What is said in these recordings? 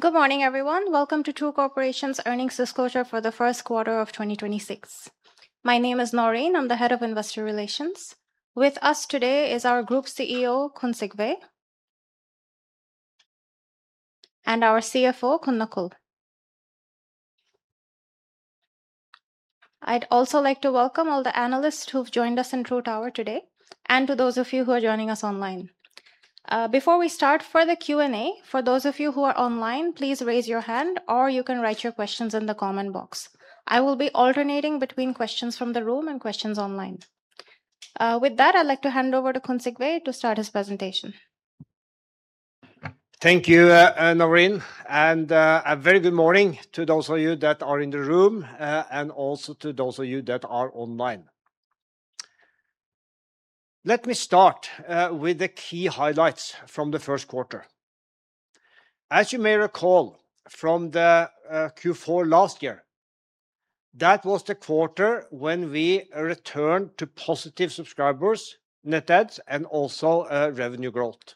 Good morning, everyone. Welcome to True Corporation's earnings disclosure for the first quarter of 2026. My name is Naureen, I'm the Head of Investor Relations. With us today is our Group CEO, Khun Sigve, and our CFO, Khun Nakul. I'd also like to welcome all the analysts who've joined us in True Tower today, and to those of you who are joining us online. Before we start, for the Q&A, for those of you who are online, please raise your hand, or you can write your questions in the comment box. I will be alternating between questions from the room and questions online. With that, I'd like to hand over to Khun Sigve to start his presentation. Thank you, Naureen, a very good morning to those of you that are in the room, and also to those of you that are online. Let me start with the key highlights from the first quarter. As you may recall from the Q4 last year, that was the quarter when we returned to positive subscribers, net adds, and also revenue growth.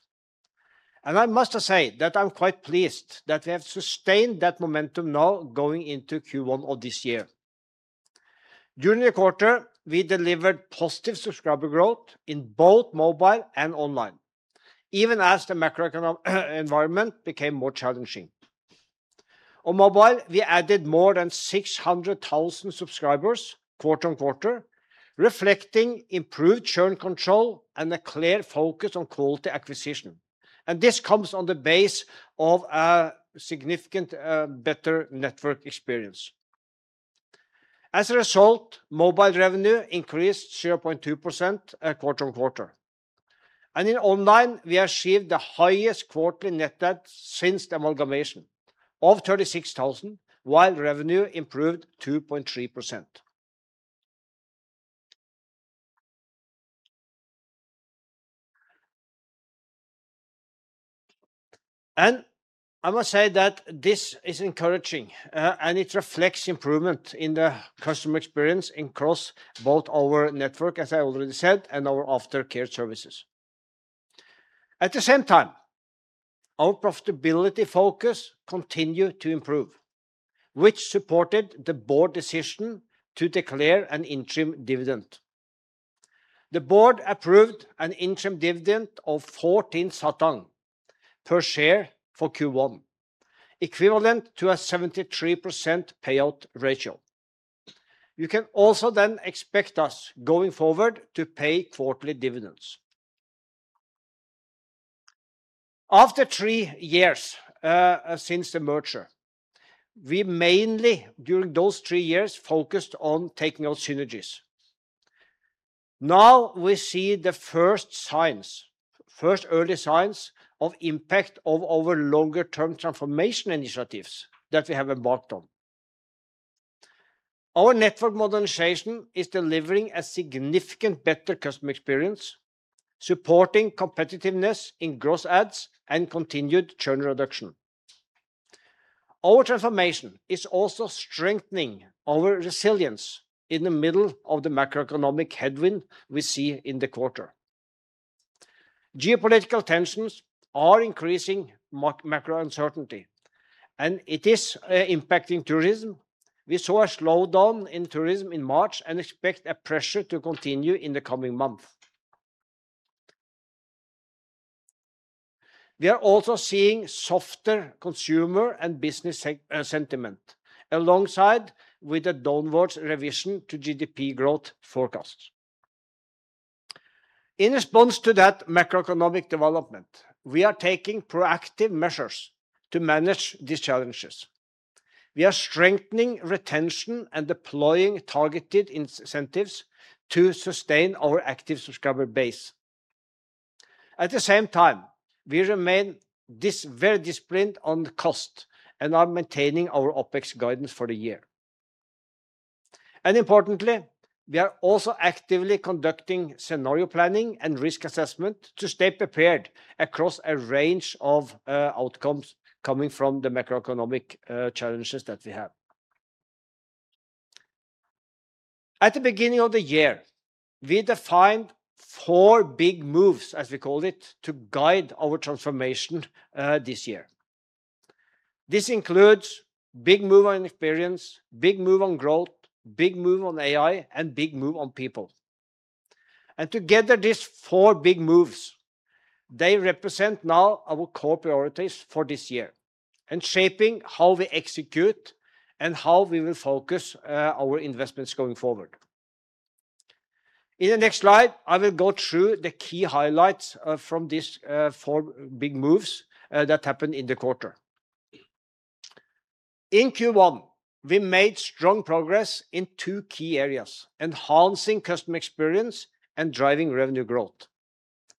I must say that I'm quite pleased that we have sustained that momentum now going into Q1 of this year. During the quarter, we delivered positive subscriber growth in both mobile and online, even as the macroeconomic environment became more challenging. On mobile, we added more than 600,000 subscribers quarter-on-quarter, reflecting improved churn control and a clear focus on quality acquisition, and this comes on the base of a significant better network experience. As a result, mobile revenue increased 0.2% quarter-on-quarter. In online, we achieved the highest quarterly net adds since amalgamation of 36,000, while revenue improved 2.3%. I must say that this is encouraging, and it reflects improvement in the customer experience across both our network, as I already said, and our aftercare services. At the same time, our profitability focus continued to improve, which supported the board decision to declare an interim dividend. The board approved an interim dividend of 0.14 per share for Q1, equivalent to a 73% payout ratio. You can also then expect us, going forward, to pay quarterly dividends. After three years, since the merger, we mainly, during those three years, focused on taking out synergies. Now we see the first early signs of impact of our longer-term transformation initiatives that we have embarked on. Our network modernization is delivering a significant better customer experience, supporting competitiveness in gross adds and continued churn reduction. Our transformation is also strengthening our resilience in the middle of the macroeconomic headwind we see in the quarter. Geopolitical tensions are increasing macro uncertainty, it is impacting tourism. We saw a slowdown in tourism in March and expect a pressure to continue in the coming month. We are also seeing softer consumer and business sentiment alongside with a downwards revision to GDP growth forecast. In response to that macroeconomic development, we are taking proactive measures to manage these challenges. We are strengthening retention and deploying targeted incentives to sustain our active subscriber base. At the same time, we remain this very disciplined on cost and are maintaining our OpEx guidance for the year. Importantly, we are also actively conducting scenario planning and risk assessment to stay prepared across a range of outcomes coming from the macroeconomic challenges that we have. At the beginning of the year, we defined four big moves, as we call it, to guide our transformation this year. This includes Big Move on experience, Big Move on growth, Big Move on AI, and Big Move on people. Together, these four big moves, they represent now our core priorities for this year and shaping how we execute and how we will focus our investments going forward. In the next slide, I will go through the key highlights from these four big moves that happened in the quarter. In Q1, we made strong progress in two key areas: enhancing customer experience and driving revenue growth.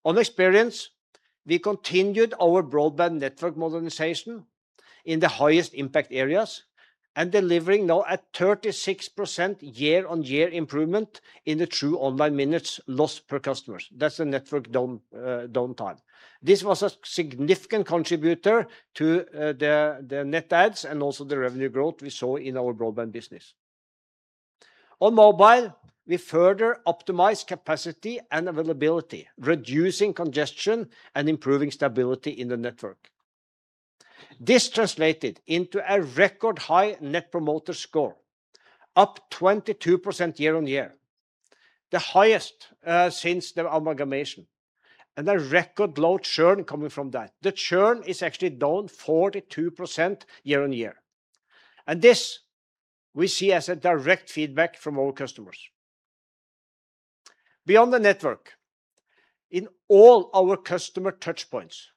On experience, we continued our broadband network modernization in the highest impact areas and delivering now a 36% year-over-year improvement in the TrueOnline minutes lost per customers. That's the network down downtime. This was a significant contributor to the net adds and also the revenue growth we saw in our broadband business. On mobile, we further optimize capacity and availability, reducing congestion and improving stability in the network. This translated into a record high Net Promoter Score, up 22% year-over-year. The highest since the amalgamation. A record low churn coming from that. The churn is actually down 42% year-on-year. This we see as a direct feedback from our customers. Beyond the network, in all our customer touch points,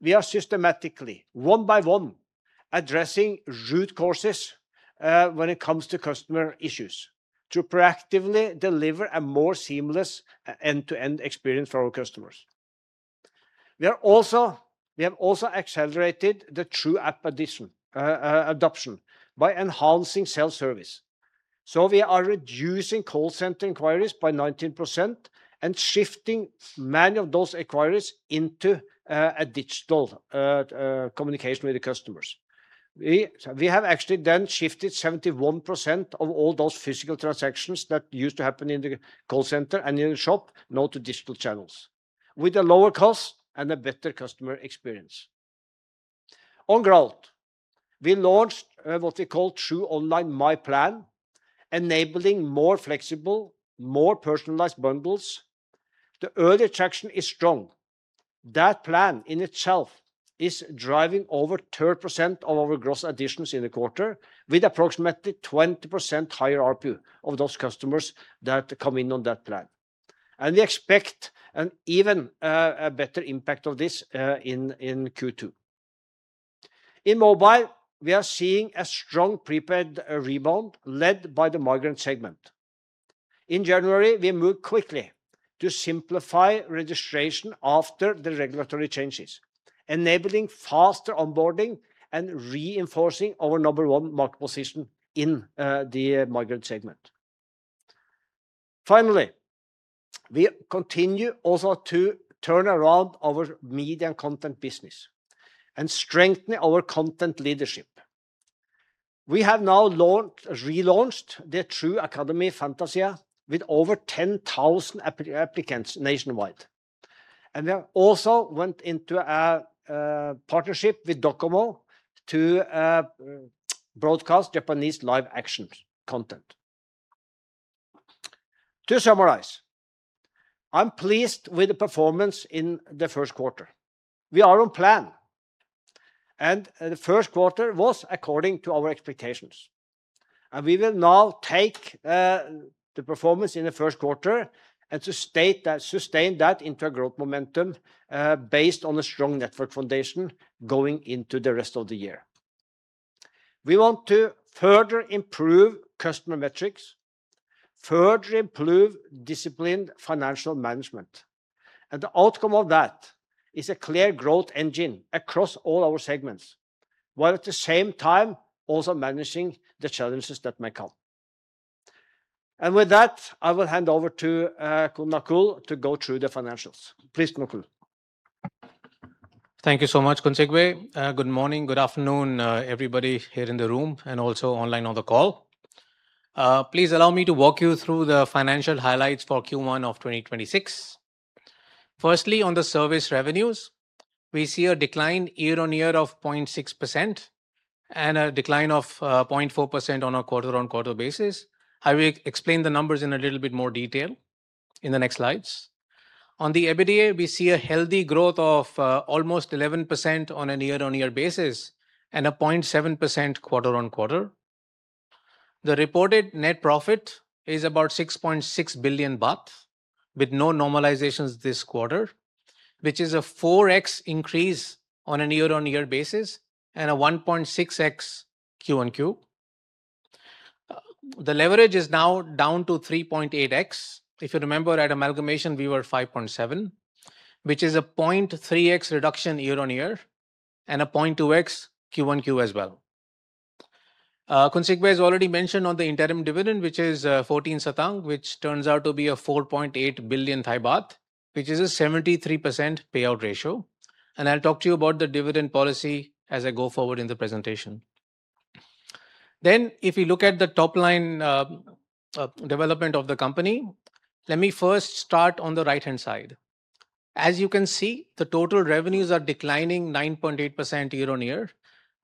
we are systematically, one by one, addressing root causes when it comes to customer issues to proactively deliver a more seamless end-to-end experience for our customers. We have also accelerated the True App adoption by enhancing self-service. We are reducing call center inquiries by 19% and shifting many of those inquiries into a digital communication with the customers. We have actually shifted 71% of all those physical transactions that used to happen in the call center and in the shop now to digital channels with a lower cost and a better customer experience. On growth, we launched what we call TrueOnline MyPlan, enabling more flexible, more personalized bundles. The early traction is strong. That plan in itself is driving over 3% of our gross additions in the quarter with approximately 20% higher RPU of those customers that come in on that plan. We expect an even better impact of this in Q2. In mobile, we are seeing a strong prepaid rebound led by the migrant segment. In January, we moved quickly to simplify registration after the regulatory changes, enabling faster onboarding and reinforcing our number one market position in the migrant segment. Finally, we continue also to turn around our media and content business and strengthen our content leadership. We have now relaunched the True Academy Fantasia with over 10,000 applicants nationwide, and we have also went into a partnership with NTT DOCOMO to broadcast Japanese live action content. To summarize, I'm pleased with the performance in the first quarter. We are on plan, the first quarter was according to our expectations. We will now take the performance in the first quarter and sustain that into a growth momentum, based on a strong network foundation going into the rest of the year. We want to further improve customer metrics, further improve disciplined financial management, and the outcome of that is a clear growth engine across all our segments, while at the same time also managing the challenges that may come. With that, I will hand over to Nakul to go through the financials. Please, Nakul. Thank you so much, Khun Sigve. Good morning, good afternoon, everybody here in the room and also online on the call. Please allow me to walk you through the financial highlights for Q1 of 2026. Firstly, on the service revenues, we see a decline year-on-year of 0.6% and a decline of 0.4% on a quarter-on-quarter basis. I will explain the numbers in a little bit more detail in the next slides. On the EBITDA, we see a healthy growth of almost 11% on a year-on-year basis and a 0.7% quarter-on-quarter. The reported net profit is about 6.6 billion baht with no normalizations this quarter, which is a 4x increase on a year-on-year basis and a 1.6x Q-on-Q. The leverage is now down to 3.8x. If you remember at amalgamation we were 5.7x, which is a 0.3x reduction year-on-year and a 0.2x Q-on-Q as well. Khun Sigve has already mentioned on the interim dividend, which is 0.14, which turns out to be 4.8 billion baht, which is a 73% payout ratio. I'll talk to you about the dividend policy as I go forward in the presentation. If we look at the top line development of the company, let me first start on the right-hand side. As you can see, the total revenues are declining 9.8% year-on-year.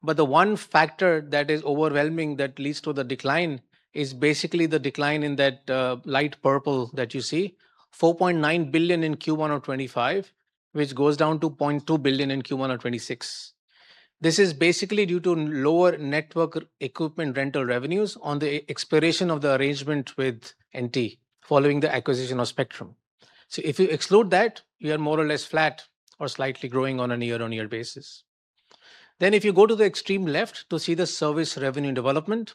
The one factor that is overwhelming that leads to the decline is basically the decline in that light purple that you see, 4.9 billion in Q1 2025, which goes down to 0.2 billion in Q1 2026. This is basically due to lower network equipment rental revenues on the expiration of the arrangement with NT following the acquisition of spectrum. If you exclude that, we are more or less flat or slightly growing on a year-on-year basis. If you go to the extreme left to see the service revenue development,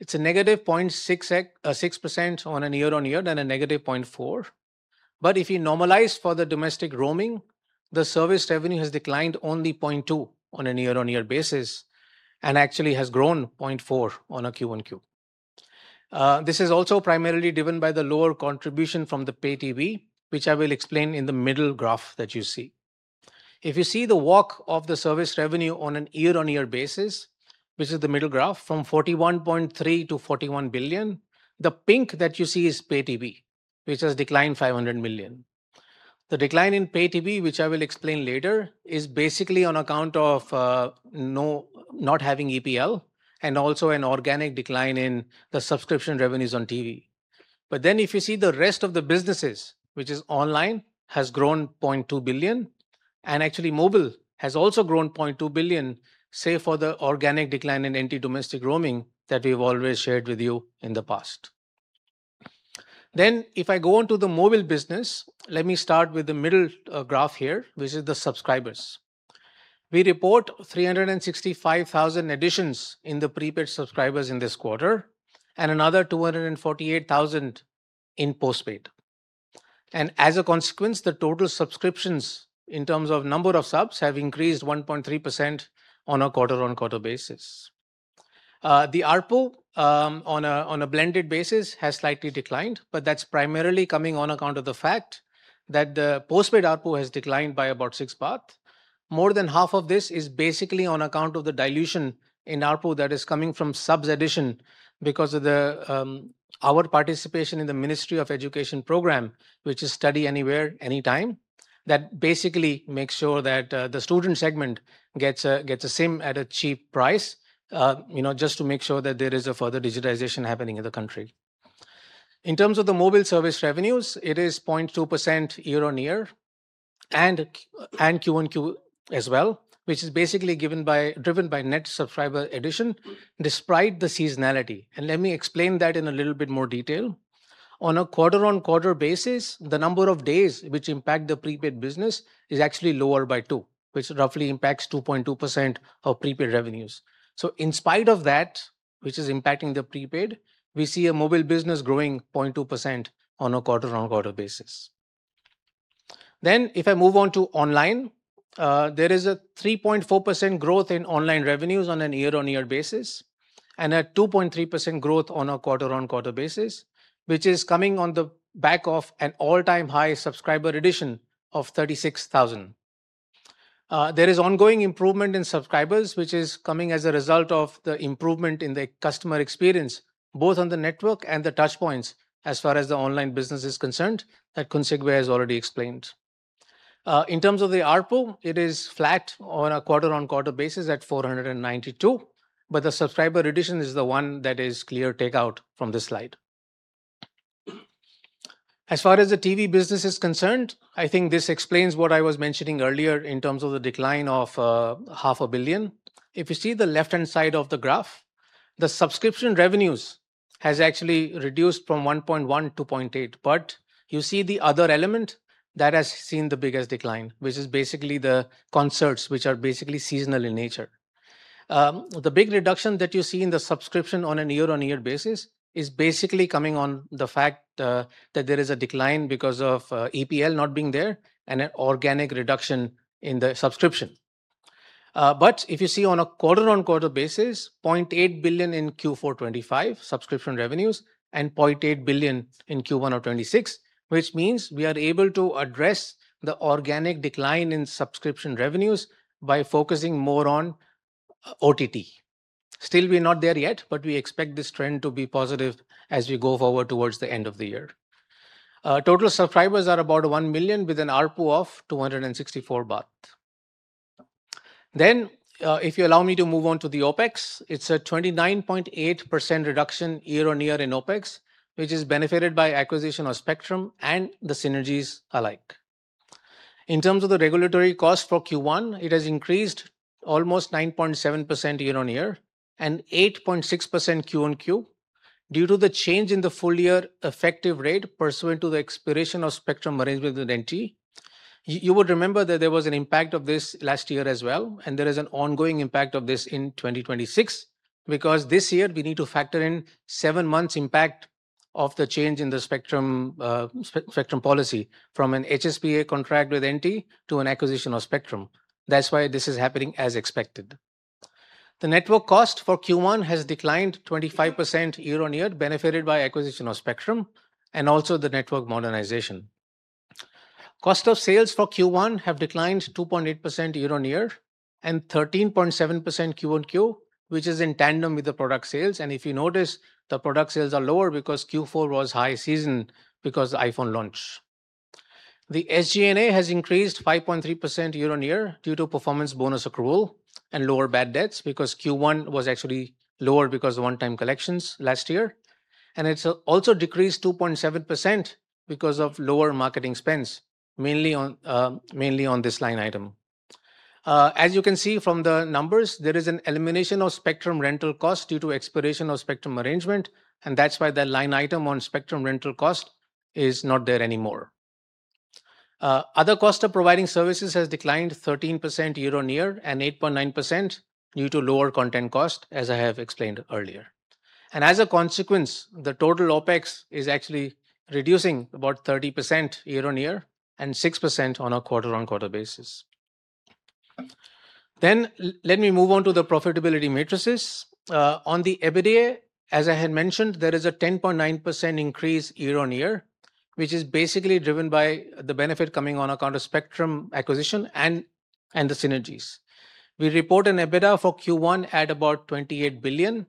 it's a -0.6% on a year-on-year, then a -0.4%. If you normalize for the domestic roaming, the service revenue has declined only 0.2% on a year-on-year basis and actually has grown 0.4% on a Q1 Q. This is also primarily driven by the lower contribution from the pay TV, which I will explain in the middle graph that you see. If you see the walk of the service revenue on a year-on-year basis, which is the middle graph, from 41.3 billion to 41 billion, the pink that you see is pay TV, which has declined 500 million. The decline in pay TV, which I will explain later, is basically on account of not having EPL and also an organic decline in the subscription revenues on TV. If you see the rest of the businesses, which is online, has grown 0.2 billion, and actually mobile has also grown 0.2 billion, save for the organic decline in NT domestic roaming that we've always shared with you in the past. If I go on to the mobile business, let me start with the middle graph here, which is the subscribers. We report 365,000 additions in the prepaid subscribers in this quarter and another 248,000 in postpaid. As a consequence, the total subscriptions in terms of number of subs have increased 1.3% on a quarter-on-quarter basis. The ARPU on a blended basis has slightly declined, but that's primarily coming on account of the fact that the postpaid ARPU has declined by about 6 baht. More than half of this is basically on account of the dilution in ARPU that is coming from subs addition because of our participation in the Ministry of Education program, which is Study Anywhere, Anytime. That basically makes sure that the student segment gets a SIM at a cheap price, you know, just to make sure that there is a further digitization happening in the country. In terms of the mobile service revenues, it is 0.2% year-on-year and Q-on-Q as well, which is basically driven by net subscriber addition despite the seasonality. Let me explain that in a little bit more detail. On a quarter-on-quarter basis, the number of days which impact the prepaid business is actually lower by 2%, which roughly impacts 2.2% of prepaid revenues. In spite of that, which is impacting the prepaid, we see a mobile business growing 0.2% on a quarter-on-quarter basis. If I move on to online, there is a 3.4% growth in online revenues on a year-on-year basis and a 2.3% growth on a quarter-on-quarter basis, which is coming on the back of an all-time high subscriber addition of 36,000. There is ongoing improvement in subscribers, which is coming as a result of the improvement in the customer experience, both on the network and the touch points as far as the online business is concerned that Khun Sigve has already explained. In terms of the ARPU, it is flat on a quarter-on-quarter basis at 492, but the subscriber addition is the one that is clear takeout from this slide. As far as the TV business is concerned, I think this explains what I was mentioning earlier in terms of the decline of 500 million If you see the left-hand side of the graph, the subscription revenues has actually reduced from 1.1 billion to 0.8 billion. You see the other element that has seen the biggest decline, which is basically the concerts, which are basically seasonal in nature. The big reduction that you see in the subscription on a year-on-year basis is basically coming on the fact that there is a decline because of EPL not being there and an organic reduction in the subscription. If you see on a quarter-on-quarter basis, 0.8 billion in Q4 2025 subscription revenues and 0.8 billion in Q1 2026, which means we are able to address the organic decline in subscription revenues by focusing more on OTT. Still, we're not there yet, but we expect this trend to be positive as we go forward towards the end of the year. Total subscribers are about 1 million with an ARPU of 264 baht. If you allow me to move on to the OpEx, it's a 29.8% reduction year-on-year in OpEx, which is benefited by acquisition of spectrum and the synergies alike. In terms of the regulatory cost for Q1, it has increased almost 9.7% year-on-year and 8.6% Q-on-Q due to the change in the full year effective rate pursuant to the expiration of spectrum arrangement with NT. You would remember that there was an impact of this last year as well, and there is an ongoing impact of this in 2026, because this year we need to factor in seven months impact of the change in the spectrum policy from an HSPA contract with NT to an acquisitional spectrum. That's why this is happening as expected. The network cost for Q1 has declined 25% year-on-year, benefited by acquisition of spectrum and also the network modernization. Cost of sales for Q1 have declined 2.8% year-on-year and 13.7% Q-on-Q, which is in tandem with the product sales. If you notice, the product sales are lower because Q4 was high season because the iPhone launch. The SG&A has increased 5.3% year-on-year due to performance bonus accrual and lower bad debts because Q1 was actually lower because of one-time collections last year. It's also decreased 2.7% because of lower marketing spends, mainly on this line item. As you can see from the numbers, there is an elimination of spectrum rental cost due to expiration of spectrum arrangement, and that's why the line item on spectrum rental cost is not there anymore. Other cost of providing services has declined 13% year-on-year and 8.9% due to lower content cost, as I have explained earlier. As a consequence, the total OpEx is actually reducing about 30% year-on-year and 6% on a quarter-on-quarter basis. Let me move on to the profitability matrices. On the EBITDA, as I had mentioned, there is a 10.9% increase year-on-year, which is basically driven by the benefit coming on account of spectrum acquisition and the synergies. We report an EBITDA for Q1 at about 28 billion,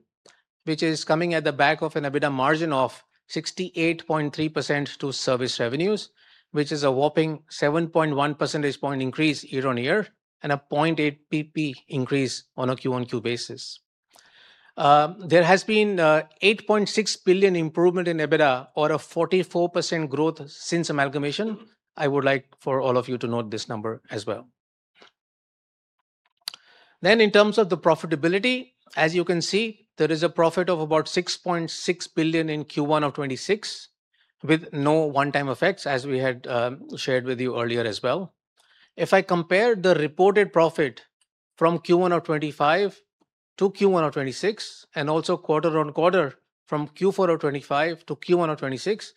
which is coming at the back of an EBITDA margin of 68.3% to service revenues, which is a whopping 7.1 percentage point increase year-on-year and a 0.8 pp increase on a Q-on-Q basis. There has been 8.6 billion improvement in EBITDA or a 44% growth since amalgamation. I would like for all of you to note this number as well. In terms of the profitability, as you can see, there is a profit of about 6.6 billion in Q1 of 2026 with no one-time effects, as we had shared with you earlier as well. If I compare the reported profit from Q1 of 2025 to Q1 of 2026 and also quarter-on-quarter from Q4 of 2025 to Q1 of 2026,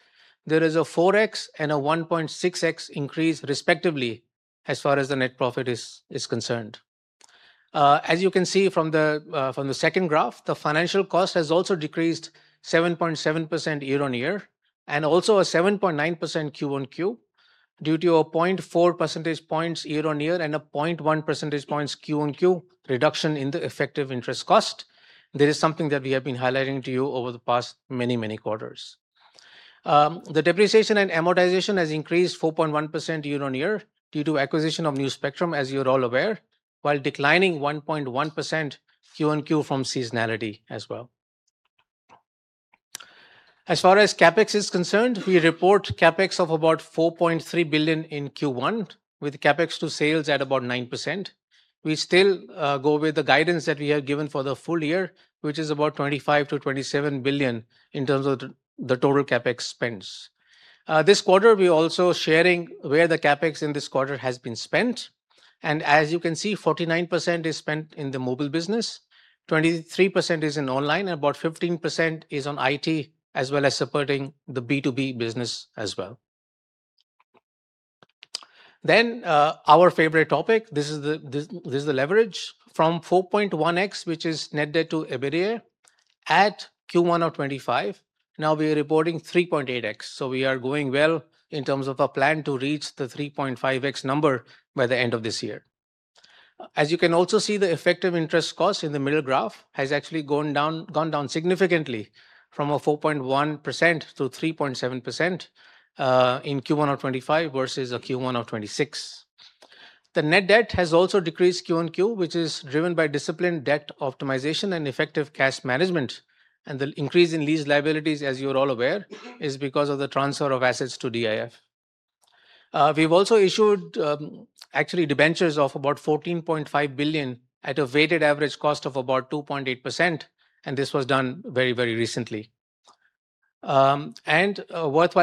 there is a 4x and a 1.6x increase respectively as far as the net profit is concerned. As you can see from the second graph, the financial cost has also decreased 7.7% year-on-year and also a 7.9% Q-on-Q due to a 0.4 percentage points year-on-year and a 0.1 percentage points Q-on-Q reduction in the effective interest cost. This is something that we have been highlighting to you over the past many, many quarters. The depreciation and amortization has increased 4.1% year-over-year due to acquisition of new spectrum, as you're all aware, while declining 1.1% Q-on-Q from seasonality as well. As far as CapEx is concerned, we report CapEx of about 4.3 billion in Q1 with CapEx to sales at about 9%. We still go with the guidance that we have given for the full year, which is about 25 billion-27 billion in terms of the total CapEx spends. This quarter we're also sharing where the CapEx in this quarter has been spent and as you can see, 49% is spent in the mobile business, 23% is in online, about 15% is on IT, as well as supporting the B2B business as well. Our favorite topic. This is the leverage. From 4.1x, which is net debt to EBITDA at Q1 2025, now we are reporting 3.8x. We are going well in terms of our plan to reach the 3.5x number by the end of this year. As you can also see, the effective interest cost in the middle graph has actually gone down significantly from a 4.1% to 3.7% in Q1 2025 versus a Q1 2026. The net debt has also decreased Q-on-Q, which is driven by disciplined debt optimization and effective cash management. The increase in lease liabilities, as you're all aware, is because of the transfer of assets to DIF. We've also issued, actually debentures of about 14.5 billion at a weighted average cost of about 2.8%, and this was done very, very recently. Worthwhile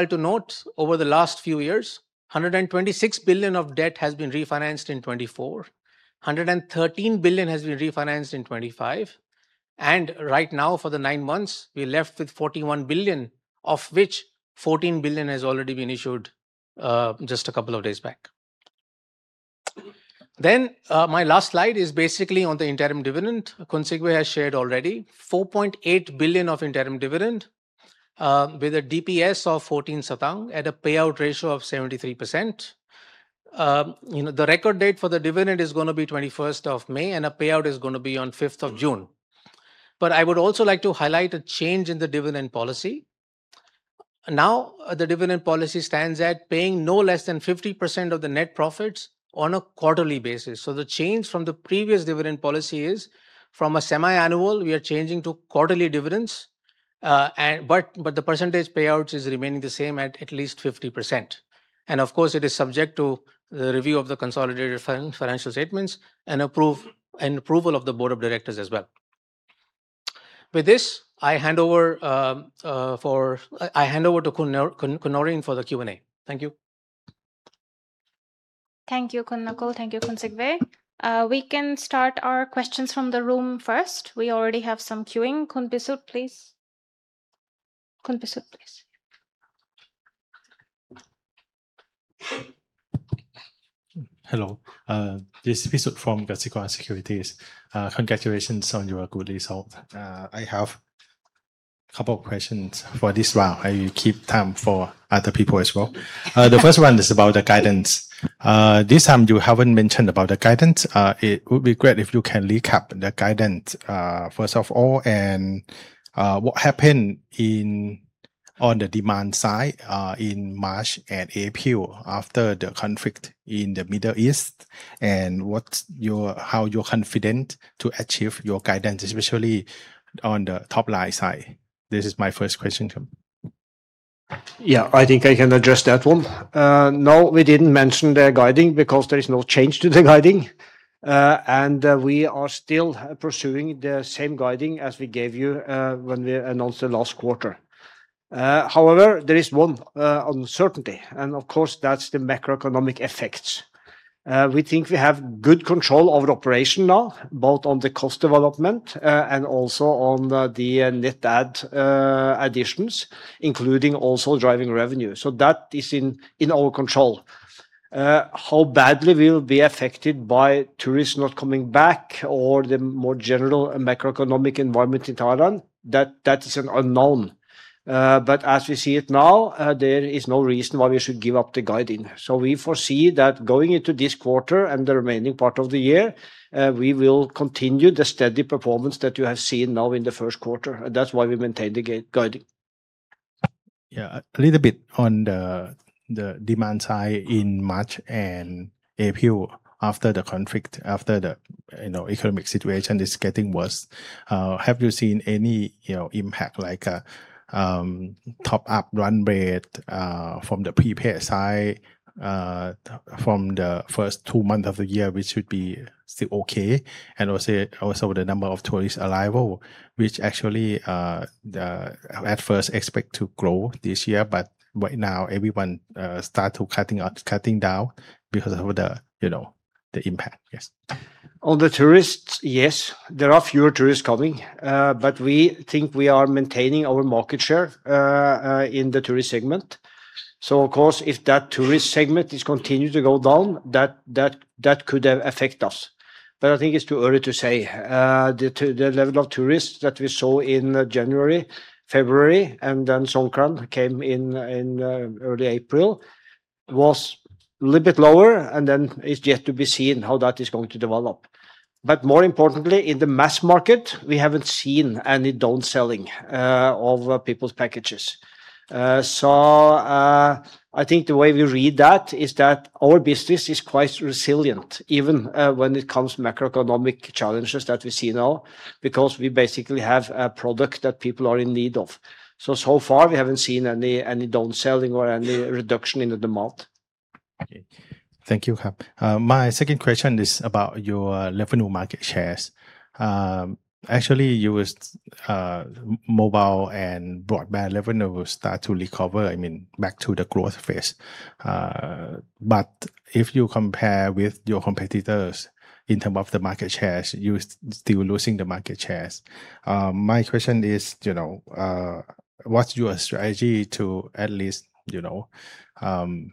to note, over the last few years, 126 billion of debt has been refinanced in 2024. 113 billion has been refinanced in 2025. Right now, for the nine months, we're left with 41 billion, of which 14 billion has already been issued just a couple of days back. My last slide is basically on the interim dividend. Khun Sigve has shared already 4.8 billion of interim dividend with a DPS of 0.14 at a payout ratio of 73%. You know, the record date for the dividend is gonna be 21st of May, and a payout is gonna be on 5th of June. I would also like to highlight a change in the dividend policy. Now, the dividend policy stands at paying no less than 50% of the net profits on a quarterly basis. The change from the previous dividend policy is from a semiannual, we are changing to quarterly dividends. But the percentage payouts is remaining the same at least 50%. And of course, it is subject to the review of the consolidated financial statements and approval of the board of directors as well. With this, I hand over to Khun Naureen for the Q&A. Thank you. Thank you, Khun Nakul. Thank you, Khun Sigve. We can start our questions from the room first. We already have some queuing. Khun Pisut, please. Hello. This is Pisut from Kasikorn Securities. Congratulations on your good result. I have couple of questions for this round. I will keep time for other people as well. The first one is about the guidance. This time you haven't mentioned about the guidance. It would be great if you can recap the guidance, first of all, and what happened in, on the demand side, in March and April after the conflict in the Middle East. What's your, how you're confident to achieve your guidance, especially on the top line side? This is my first question, Khun. Yeah, I think I can address that one. No, we didn't mention the guiding because there is no change to the guiding. And we are still pursuing the same guiding as we gave you when we announced the last quarter. However, there is one uncertainty, and of course, that's the macroeconomic effects. We think we have good control over the operation now, both on the cost development, and also on the net add additions, including also driving revenue. That is in our control. How badly we will be affected by tourists not coming back or the more general macroeconomic environment in Thailand, that is an unknown. But as we see it now, there is no reason why we should give up the guiding. We foresee that going into this quarter and the remaining part of the year, we will continue the steady performance that you have seen now in the first quarter. That's why we maintain the guiding. Yeah. A little bit on the demand side in March and April after the conflict, after the, you know, economic situation is getting worse. Have you seen any, you know, impact, like, top-up run rate, from the prepaid side, from the first two month of the year, which would be still okay? Also, the number of tourist arrival, which actually, at first expect to grow this year. Right now everyone start to cutting out, cutting down because of the, you know, the impact. Yes. On the tourists, yes, there are fewer tourists coming. We think we are maintaining our market share in the tourist segment. Of course, if that tourist segment is continue to go down, that could affect us. I think it's too early to say. The level of tourists that we saw in January, February, and then Songkran came in early April, was a little bit lower. It's yet to be seen how that is going to develop. More importantly, in the mass market, we haven't seen any down selling of people's packages. I think the way we read that is that our business is quite resilient, even when it comes to macroeconomic challenges that we see now, because we basically have a product that people are in need of. So far we haven't seen any down selling or any reduction in the demand. Okay. Thank you. My second question is about your revenue market shares. Actually, you was mobile and broadband revenue will start to recover, I mean, back to the growth phase. If you compare with your competitors in terms of the market shares, you're still losing the market shares. My question is, you know, what's your strategy to at least, you know,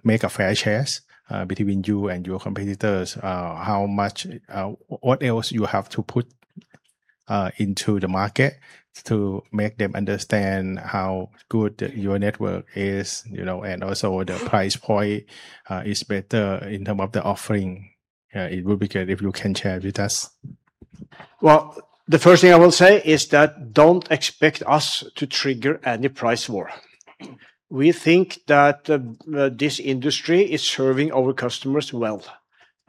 make a fair shares between you and your competitors? How much, what else you have to put into the market to make them understand how good your network is, you know, and also the price point is better in terms of the offering? It would be good if you can share with us. Well, the first thing I will say is that don't expect us to trigger any price war. We think that this industry is serving our customers well.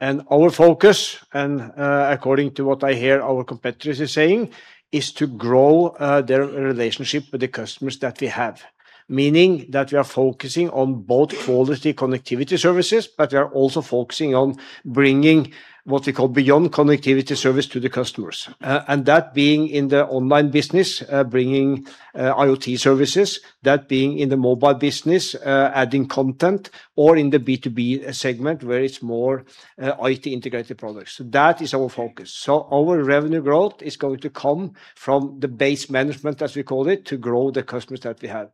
Our focus, and, according to what I hear our competitors are saying, is to grow their relationship with the customers that we have. Meaning, that we are focusing on both quality connectivity services, but we are also focusing on bringing what we call beyond connectivity service to the customers. That being in the online business, bringing IoT services, that being in the mobile business, adding content, or in the B2B segment, where it's more IT integrated products. That is our focus. Our revenue growth is going to come from the base management, as we call it, to grow the customers that we have.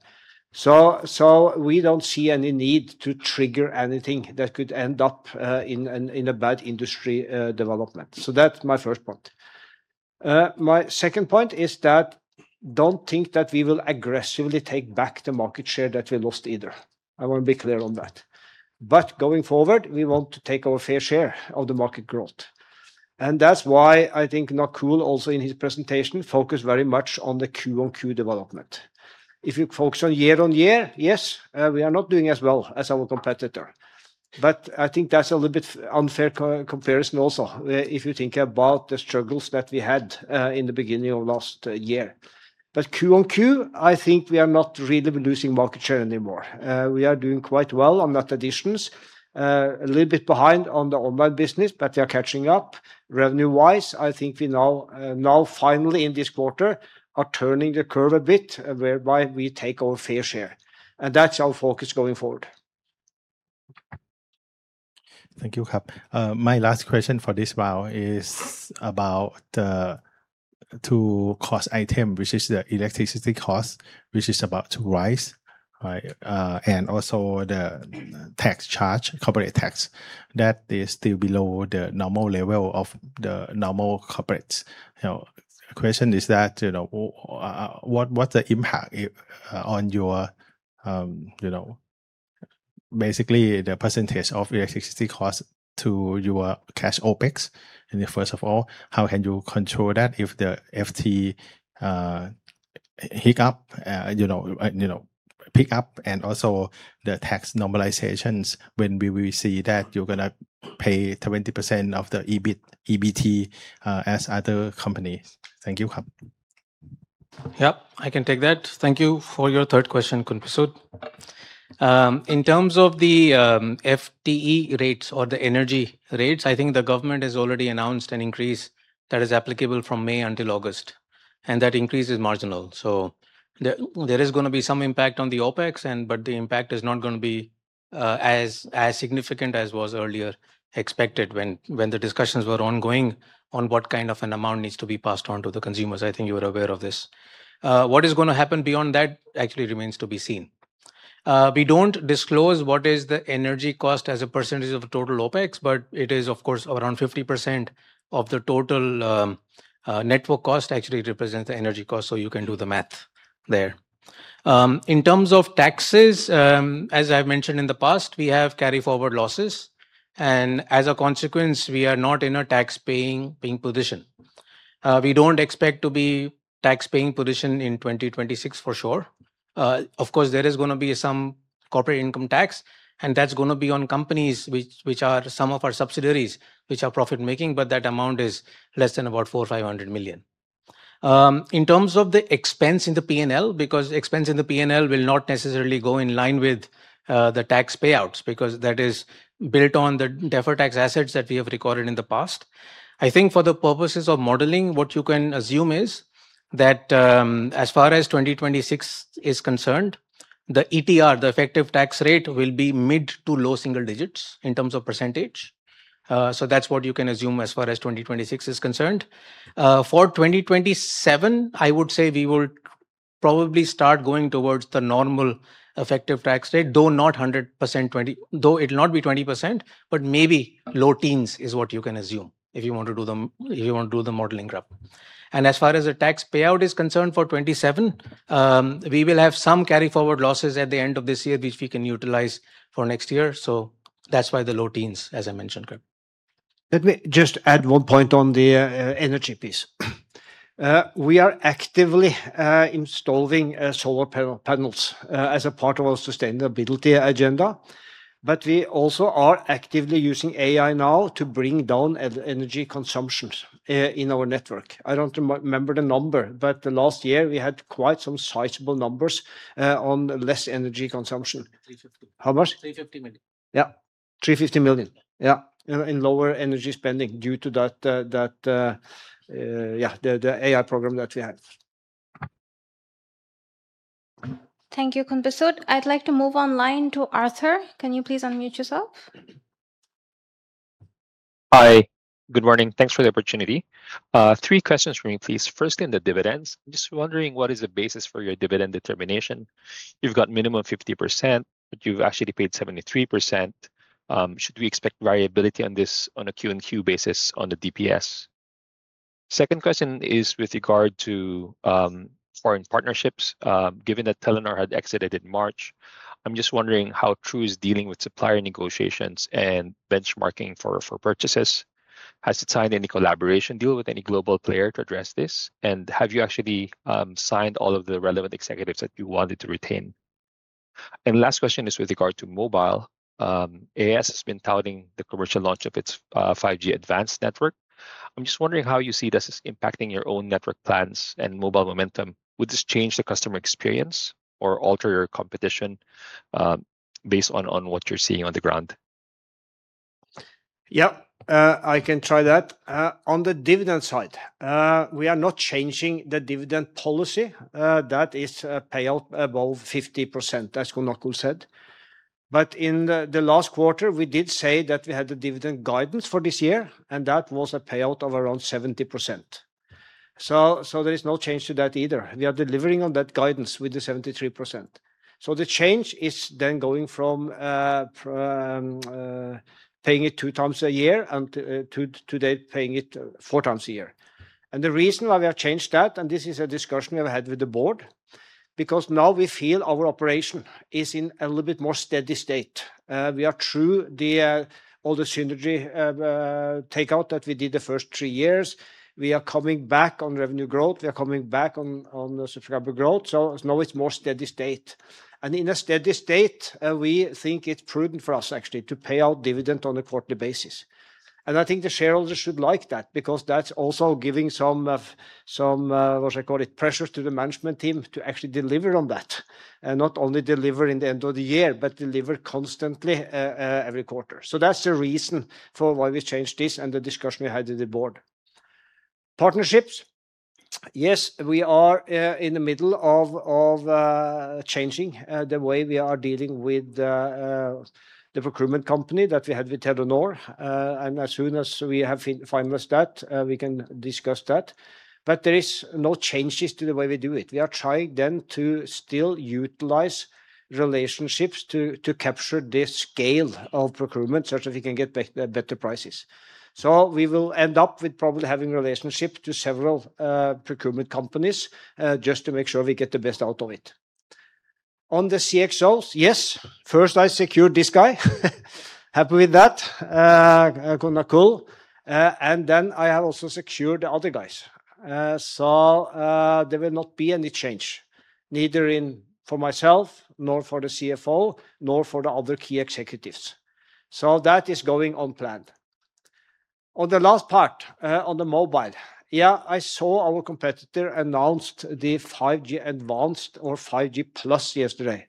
We don't see any need to trigger anything that could end up in a bad industry development. My second point is that don't think that we will aggressively take back the market share that we lost either. I want to be clear on that. Going forward, we want to take our fair share of the market growth. That's why I think Nakul also in his presentation focused very much on the Q-on-Q development. If you focus on year-on-year, yes, we are not doing as well as our competitor. I think that's a little bit unfair comparison also if you think about the struggles that we had in the beginning of last year. Q-on-Q, I think we are not really losing market share anymore. We are doing quite well on net additions. A little bit behind on the online business, but we are catching up. Revenue-wise, I think we now finally in this quarter are turning the curve a bit whereby we take our fair share. That's our focus going forward. Thank you. My last question for this round is about the two cost item, which is the electricity cost, which is about to rise, right? Also the tax charge, corporate tax, that is still below the normal level of the normal corporates. You know, question is that, you know, what the impact if on your, you know, basically the percentage of electricity cost to your cash OpEx in the first of all. How can you control that if the FTE, you know, pick up? Also the tax normalizations, when we will see that you're gonna pay 20% of the EBIT, EBT, as other companies? Thank you. Yeah, I can take that. Thank you for your third question, Khun Pisut. In terms of the FTE rates or the energy rates, I think the government has already announced an increase that is applicable from May until August. That increase is marginal. There is going to be some impact on the OpEx, but the impact is not going to be as significant as was earlier expected when the discussions were ongoing on what kind of an amount needs to be passed on to the consumers. I think you are aware of this. What is gonna happen beyond that actually remains to be seen. We don't disclose what is the energy cost as a percentage of total OpEx, but it is of course around 50% of the total network cost actually represents the energy cost, so you can do the math there. In terms of taxes, as I mentioned in the past, we have carry forward losses and as a consequence, we are not in a tax-paying position. We don't expect to be tax-paying position in 2026 for sure. Of course, there is gonna be some corporate income tax, and that's gonna be on companies which are some of our subsidiaries which are profit-making, but that amount is less than about 400 million-500 million. In terms of the expense in the P&L, because expense in the P&L will not necessarily go in line with the tax payouts because that is built on the deferred tax assets that we have recorded in the past. I think for the purposes of modeling, what you can assume is that, as far as 2026 is concerned, the ETR, the effective tax rate will be mid to low single digits in terms of percentage. That's what you can assume as far as 2026 is concerned. For 2027, I would say we will probably start going towards the normal effective tax rate, though it'll not be 20%, but maybe low teens is what you can assume if you want to do the, if you want to do the modeling, Khun. As far as the tax payout is concerned for 2027, we will have some carry forward losses at the end of this year, which we can utilize for next year. That's why the low teens, as I mentioned, Khun. Let me just add one point on the energy piece. We are actively installing solar panels as a part of our sustainability agenda, but we also are actively using AI now to bring down energy consumption in our network. I don't remember the number, but the last year we had quite some sizable numbers on less energy consumption. 350. How much? 350 million. Yeah. 350 million. Yeah. You know, in lower energy spending due to that, the AI program that we have. Thank you, Khun Pisut. I'd like to move online to Arthur. Can you please unmute yourself? Hi, good morning. Thanks for the opportunity. 3 questions for me, please. Firstly, on the dividends. Just wondering what is the basis for your dividend determination. You've got minimum 50%, but you've actually paid 73%. Should we expect variability on this on a Q-on-Q basis on the DPS? Second question is with regard to foreign partnerships. Given that Telenor had exited in March, I'm just wondering how True is dealing with supplier negotiations and benchmarking for purchases. Has it signed any collaboration deal with any global player to address this? Have you actually signed all of the relevant executives that you wanted to retain? Last question is with regard to mobile. AIS has been touting the commercial launch of its 5G Advanced network. I'm just wondering how you see this as impacting your own network plans and mobile momentum. Would this change the customer experience or alter your competition, based on what you're seeing on the ground? Yeah. I can try that. On the dividend side, we are not changing the dividend policy. That is a payout above 50%, as Khun Nakul said. In the last quarter, we did say that we had the dividend guidance for this year, and that was a payout of around 70%. There is no change to that either. We are delivering on that guidance with the 73%. The change is then going from paying it 2x a year and today paying it 4x a year. The reason why we have changed that, and this is a discussion we have had with the board, because now we feel our operation is in a little bit more steady state. We are True, all the synergy takeout that we did the first three years. We are coming back on revenue growth. We are coming back on the subscriber growth. Now it's more steady state. In a steady state, we think it's prudent for us actually to pay out dividend on a quarterly basis. I think the shareholders should like that because that's also giving some what you call it, pressure to the management team to actually deliver on that, not only deliver in the end of the year, but deliver constantly every quarter. That's the reason for why we changed this and the discussion we had with the Board. Yes, we are in the middle of changing the way we are dealing with the procurement company that we had with Telenor. As soon as we have finalized that, we can discuss that. There is no changes to the way we do it. We are trying then to still utilize relationships to capture the scale of procurement such that we can get better prices. We will end up with probably having relationship to several procurement companies just to make sure we get the best out of it. On the CXOs, yes. First, I secured this guy. Happy with that, Khun Nakul. Then I have also secured the other guys. There will not be any change, neither in for myself nor for the CFO, nor for the other key executives. That is going on plan. On the last part, on the mobile. Yeah, I saw our competitor announced the 5G Advanced or 5G plus yesterday.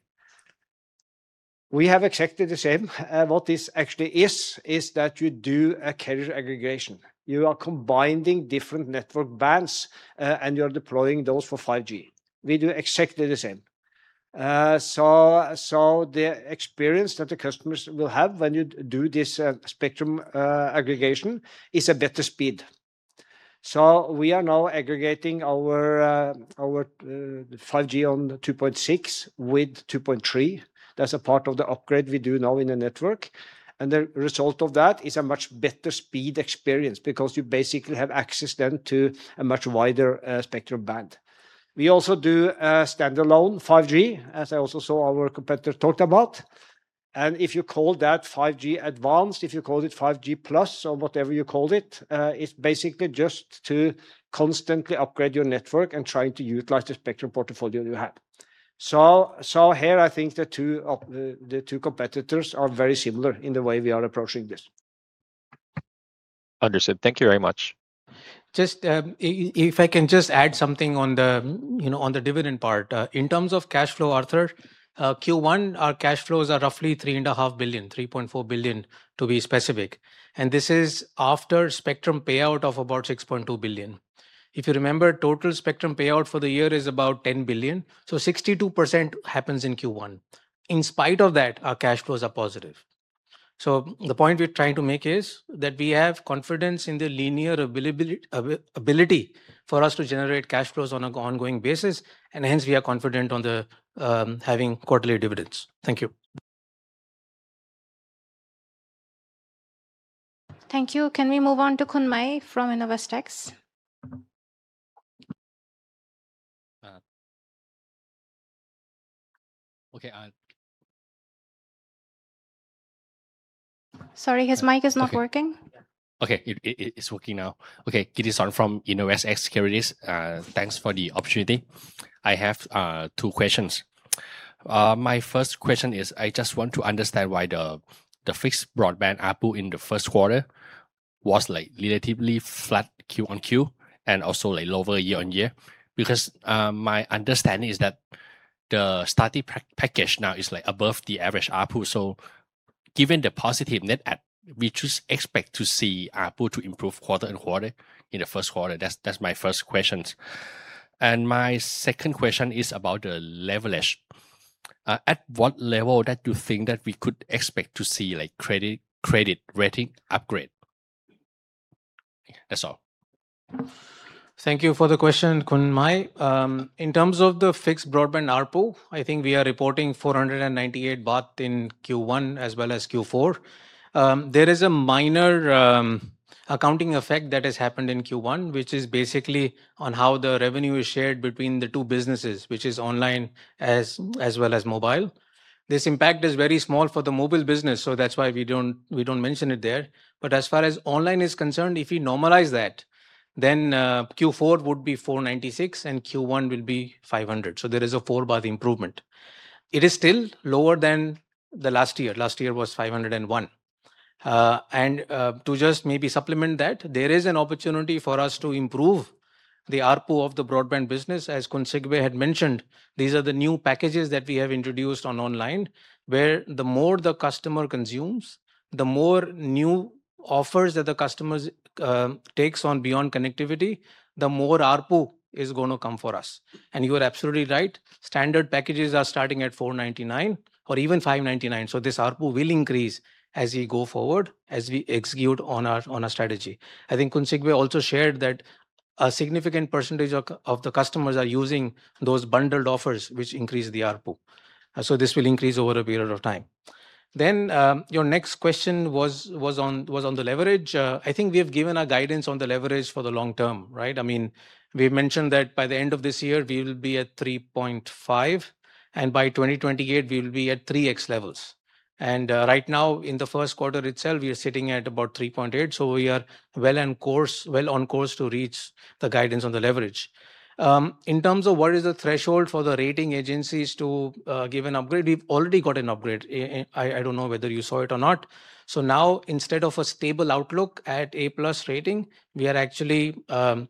We have exactly the same. What this actually is that you do a carrier aggregation. You are combining different network bands, and you are deploying those for 5G. We do exactly the same. So the experience that the customers will have when you do this, spectrum, aggregation is a better speed. We are now aggregating our 5G on 2.6 with 2.3. That's a part of the upgrade we do now in the network. The result of that is a much better speed experience because you basically have access then to a much wider spectrum band. We also do standalone 5G, as I also saw our competitor talked about. If you call that 5G Advanced, if you call it 5G Advanced or whatever you call it's basically just to constantly upgrade your network and trying to utilize the spectrum portfolio you have. Here I think the two competitors are very similar in the way we are approaching this. Understood. Thank you very much. Just, if I can just add something on the, you know, on the dividend part. In terms of cash flow, Arthur, Q1, our cash flows are roughly 3.5 billion, 3.4 billion to be specific. This is after spectrum payout of about 6.2 billion. If you remember, total spectrum payout for the year is about 10 billion, so 62% happens in Q1. In spite of that, our cash flows are positive. The point we're trying to make is that we have confidence in the linear availability for us to generate cash flows on an ongoing basis, and hence we are confident on the having quarterly dividends. Thank you. Thank you. Can we move on to Khun Mai from InnovestX? Okay, I. Sorry, his mic is not working. Okay, it's working now. It is on from InnovestX Securities. Thanks for the opportunity. I have two questions. My first question is I just want to understand why the fixed broadband ARPU in the first quarter was relatively flat quarter-on-quarter and also lower year-on-year. Because my understanding is that the static package now is above the average ARPU. Given the positive net add, we should expect to see ARPU to improve quarter-on-quarter in the first quarter. That's my first questions. My second question is about the leverage. At what level that you think that we could expect to see credit rating upgrade? That's all. Thank you for the question, Khun Mai. In terms of the fixed broadband ARPU, I think we are reporting 498 baht in Q1 as well as Q4. There is a minor accounting effect that has happened in Q1, which is basically on how the revenue is shared between the two businesses, which is online as well as mobile. This impact is very small for the mobile business, that's why we don't mention it there. As far as online is concerned, if we normalize that, Q4 would be 496, Q1 will be 500. There is a 4 THB improvement. It is still lower than the last year. Last year was 501. To just maybe supplement that, there is an opportunity for us to improve the ARPU of the broadband business. As Khun Sigve had mentioned, these are the new packages that we have introduced on Online, where the more the customer consumes, the more new offers that the customers takes on beyond connectivity, the more ARPU is going to come for us. You are absolutely right. Standard packages are starting at 499 or even 599. This ARPU will increase as we go forward, as we execute on our strategy. I think Khun Sigve also shared that a significant percentage of the customers are using those bundled offers, which increase the ARPU. This will increase over a period of time. Your next question was on the leverage. I think we have given our guidance on the leverage for the long term, right? I mean, we've mentioned that by the end of this year, we will be at 3.5x, by 2028 we will be at 3x levels. Right now in the first quarter itself, we are sitting at about 3.8x. We are well on course, well on course to reach the guidance on the leverage. In terms of what is the threshold for the rating agencies to give an upgrade, we've already got an upgrade. I don't know whether you saw it or not. Now, instead of a stable outlook at A-plus rating, we are actually at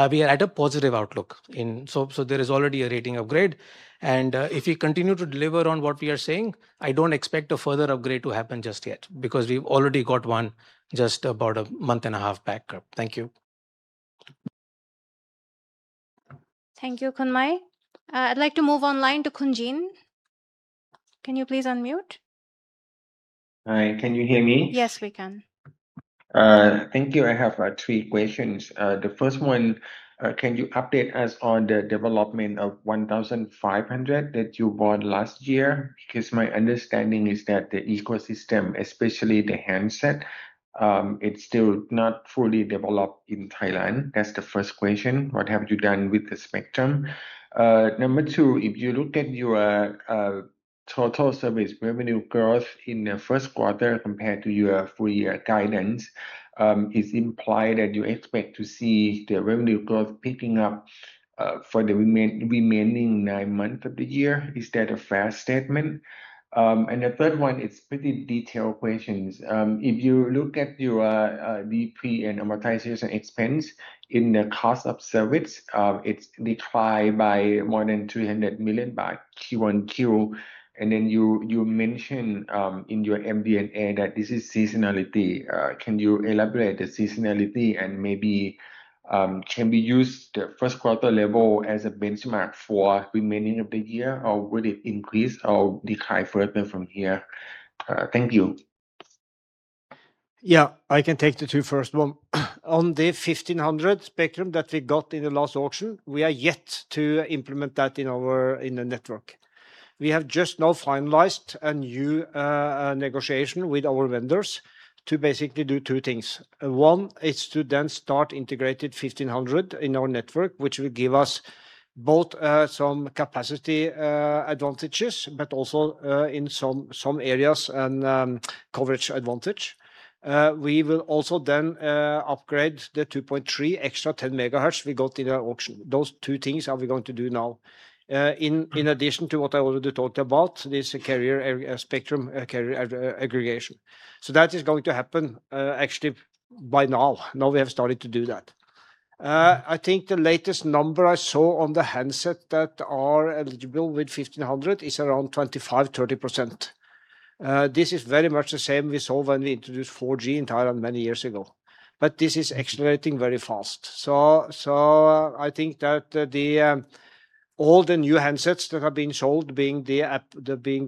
a positive outlook in. There is already a rating upgrade. If we continue to deliver on what we are saying, I don't expect a further upgrade to happen just yet because we've already got one just about a month and a half back. Thank you. Thank you, Khun Mai. I'd like to move online to Khun Jean. Can you please unmute? Hi, can you hear me? Yes, we can. Thank you. I have three questions. The first one, can you update us on the development of 1,500 that you bought last year? My understanding is that the ecosystem, especially the handset, it's still not fully developed in Thailand. That's the first question. What have you done with the spectrum? Number two, if you look at your total service revenue growth in the first quarter compared to your full year guidance, it's implied that you expect to see the revenue growth picking up for the remaining nine months of the year. Is that a fair statement? The third one is pretty detailed questions. If you look at your depre and amortization expense in the cost of service, it's declined by more than 300 million Q-on-Q. You mention in your MD&A that this is seasonality. Can you elaborate the seasonality and maybe? Can we use the first quarter level as a benchmark for remaining of the year, or will it increase or decline further from here? Thank you. Yeah, I can take the two first one. The 1,500 spectrum that we got in the last auction, we are yet to implement that in our network. We have just now finalized a new negotiation with our vendors to basically do two things. One is to then start integrated 1,500 in our network, which will give us both some capacity advantages, but also in some areas and coverage advantage. We will also then upgrade the 2.3 extra 10 MHz we got in our auction. Those two things are we going to do now. In addition to what I already talked about, this carrier aggregation. That is going to happen actually by now. Now we have started to do that. I think the latest number I saw on the handset that are eligible with 1,500 is around 25%-30%. This is very much the same we saw when we introduced 4G in Thailand many years ago. This is accelerating very fast. I think that all the new handsets that have been sold, being the iPhone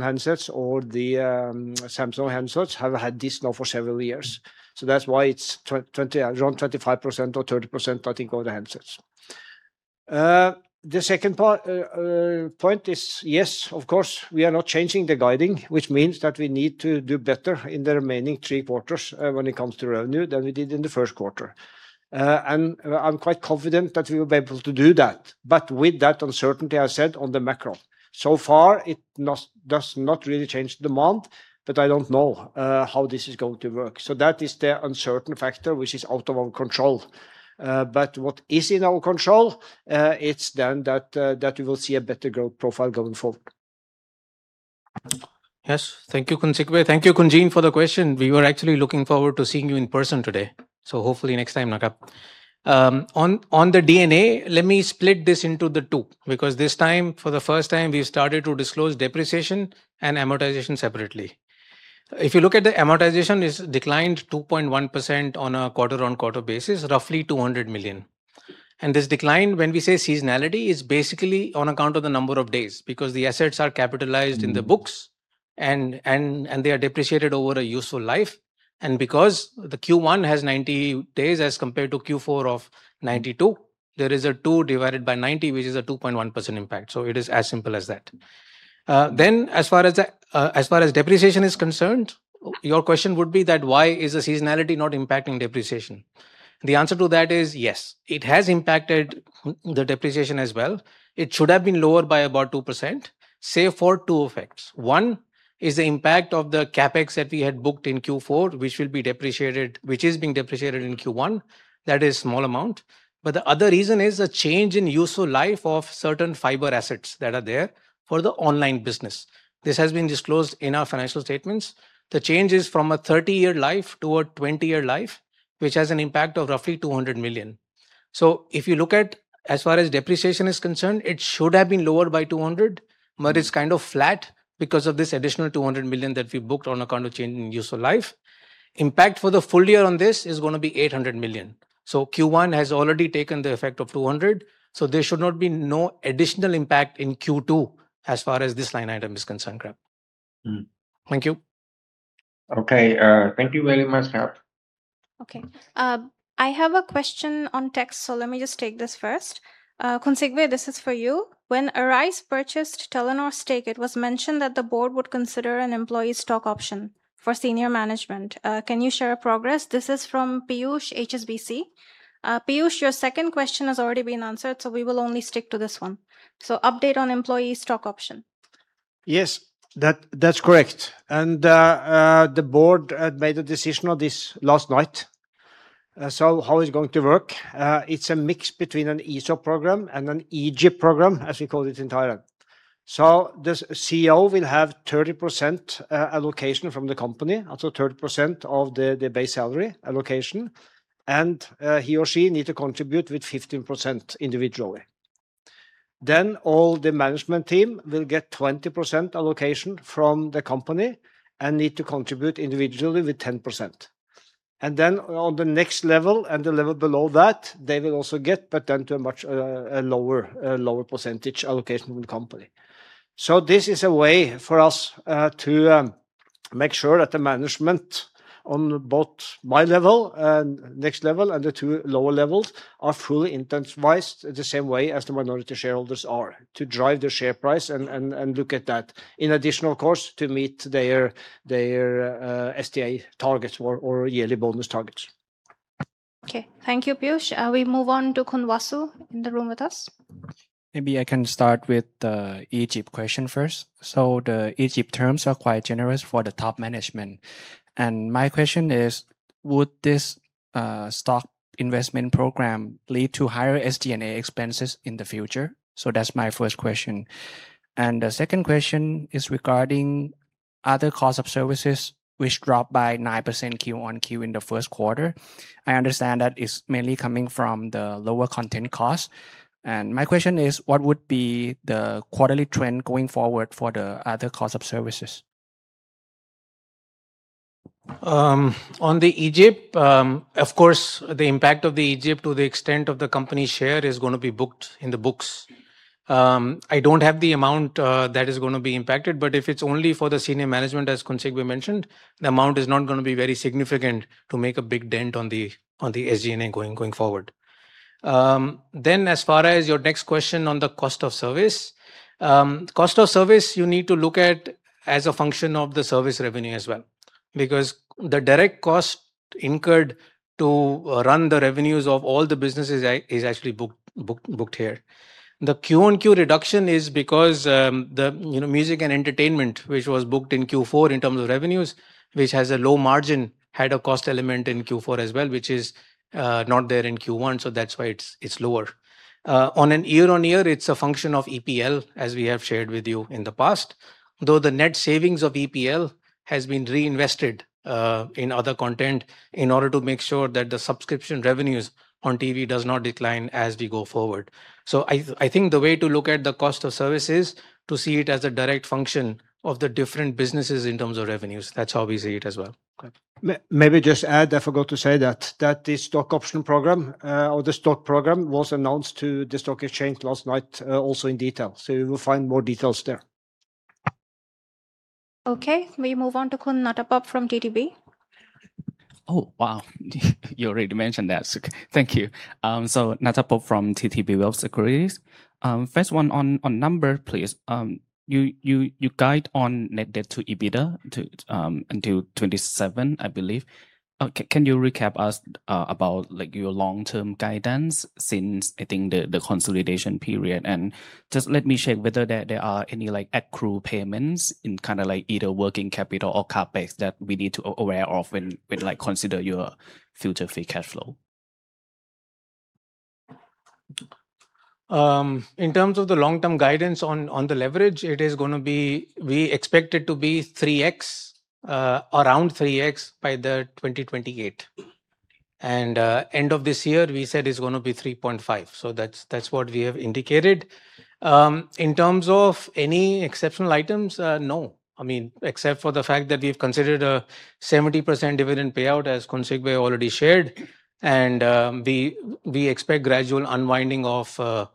handsets or the Samsung handsets, have had this now for several years. That's why it's around 25% or 30%, I think, of the handsets. The second point is, yes, of course, we are not changing the guiding, which means that we need to do better in the remaining three quarters when it comes to revenue, than we did in the first quarter. I'm quite confident that we will be able to do that. With that uncertainty, I said on the macro. So far, it does not really change demand, but I don't know how this is going to work. That is the uncertain factor which is out of our control. What is in our control, it's then that you will see a better growth profile going forward. Yes. Thank you, Khun Sigve. Thank you, Khun Jean, for the question. We were actually looking forward to seeing you in person today. Hopefully next time. Okay. On the D&A, let me split this into the two, because this time, for the first time, we started to disclose depreciation and amortization separately. If you look at the amortization, it's declined 2.1% on a quarter-on-quarter basis, roughly 200 million. This decline, when we say seasonality, is basically on account of the number of days because the assets are capitalized in the books and they are depreciated over a useful life. Because the Q1 has 90 days as compared to Q4 of 92, there is a two divided by 90, which is a 2.1% impact. It is as simple as that. As far as depreciation is concerned, your question would be that why is the seasonality not impacting depreciation? The answer to that is yes, it has impacted the depreciation as well. It should have been lower by about 2%, save for two effects. One is the impact of the CapEx that we had booked in Q4, which will be depreciated, which is being depreciated in Q1. That is small amount. The other reason is a change in useful life of certain fiber assets that are there for the online business. This has been disclosed in our financial statements. The change is from a 30-year life to a 20-year life, which has an impact of roughly 200 million. If you look at, as far as depreciation is concerned, it should have been lower by 200, but it's kind of flat because of this additional 200 million that we booked on account of change in useful life. Impact for the full year on this is gonna be 800 million. Q1 has already taken the effect of 200, there should not be no additional impact in Q2 as far as this line item is concerned. Thank you. Okay. Thank you very much. Okay. I have a question on text, so let me just take this first. Khun Sigve, this is for you. When Arise purchased Telenor stake, it was mentioned that the board would consider an employee stock option for senior management. Can you share a progress? This is from Piyush, HSBC. Piyush, your second question has already been answered, so we will only stick to this one. Update on employee stock option. Yes. That's correct. The board had made a decision on this last night. How it's going to work, it's a mix between an ESOP program and an EJIP program, as we call it in Thailand. The CEO will have 30% allocation from the company, up to 30% of the base salary allocation, and he or she need to contribute with 15% individually. All the management team will get 20% allocation from the company and need to contribute individually with 10%. On the next level and the level below that, they will also get, but then to a much lower percentage allocation from the company. This is a way for us to make sure that the management on both my level and next level and the two lower levels are fully incentivized the same way as the minority shareholders are to drive the share price and look at that in additional course to meet their SG&A targets or yearly bonus targets. Okay. Thank you, Piyush. We move on to Khun Wasu in the room with us. Maybe I can start with the EJIP question first. The EJIP terms are quite generous for the top management. My question is, would this stock investment program lead to higher SG&A expenses in the future? That's my first question. The second question is regarding other cost of services which dropped by 9% Q-on-Q in the first quarter. I understand that it's mainly coming from the lower content cost. My question is, what would be the quarterly trend going forward for the other cost of services? On the EJIP, of course, the impact of the EJIP to the extent of the company share is gonna be booked in the books. I don't have the amount that is gonna be impacted, but if it's only for the senior management, as Khun Sigve mentioned, the amount is not gonna be very significant to make a big dent on the SG&A going forward. As far as your next question on the cost of service. Cost of service you need to look at as a function of the service revenue as well because the direct cost incurred to run the revenues of all the businesses is actually booked here. The Q-on-Q reduction is because, you know, the music and entertainment, which was booked in Q4 in terms of revenues, which has a low margin, had a cost element in Q4 as well, which is not there in Q1. That's why it's lower. On a year-over-year, it's a function of EPL, as we have shared with you in the past. Though the net savings of EPL has been reinvested in other content in order to make sure that the subscription revenues on TV does not decline as we go forward. I think the way to look at the cost of service is to see it as a direct function of the different businesses in terms of revenues. That's how we see it as well. Okay. Maybe just add, I forgot to say that the stock option program, or the stock program was announced to the stock exchange last night, also in detail. You will find more details there. Okay. We move on to Khun Nuttapop from TTB. Oh, wow. You already mentioned that. Thank you. Nuttapop from ttb Wealth Securities. First one on number, please. You guide on net debt to EBITDA to until 2027, I believe. Can you recap us about, like, your long-term guidance since I think the consolidation period? Just let me check whether there are any, like, accrue payments in kinda like either working capital or CapEx that we need to aware of when, like, consider your future free cash flow. In terms of the long-term guidance on the leverage, we expect it to be 3x, around 3x by 2028. End of this year we said it's gonna be 3.5x. That's what we have indicated. In terms of any exceptional items, no. Except for the fact that we've considered a 70% dividend payout, as Khun Sigve already shared. We expect gradual unwinding of the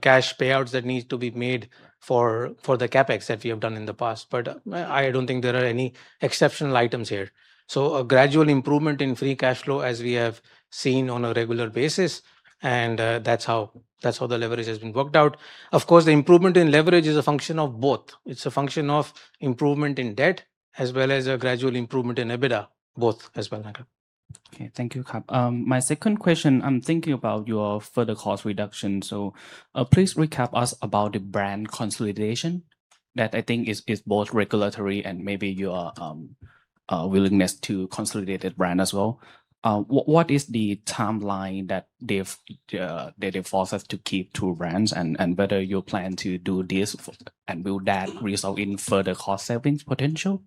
cash payouts that needs to be made for the CapEx that we have done in the past. I don't think there are any exceptional items here. A gradual improvement in free cash flow as we have seen on a regular basis. That's how the leverage has been worked out. Of course, the improvement in leverage is a function of both. It's a function of improvement in debt as well as a gradual improvement in EBITDA, both as well, Nuttapop. Okay. Thank you, Khun. My second question, I'm thinking about your further cost reduction. Please recap us about the brand consolidation that I think is both regulatory and maybe your willingness to consolidate the brand as well. What is the timeline that they've forced us to keep two brands and whether you plan to do this and will that result in further cost savings potential?